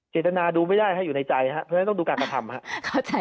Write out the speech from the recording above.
เจตนาดูไม่ได้อยู่ในใจเพราะฉะนั้นต้องดูการกระทำ